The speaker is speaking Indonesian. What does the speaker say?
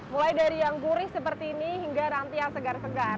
mulai dari yang kurih seperti ini hingga rantian segar segar